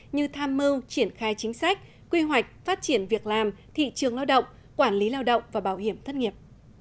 như tham mưu triển khai chính sách quy hoạch phát triển việc làm thị trường lao động quản lý lao động và bảo hiểm thất nghiệp